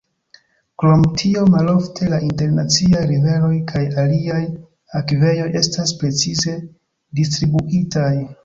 Krom tio malofte la internaciaj riveroj kaj aliaj akvejoj estas precize distribuitaj.